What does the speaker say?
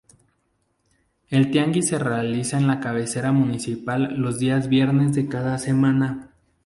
El tianguis se realiza en la cabecera municipal los días viernes de cada semana.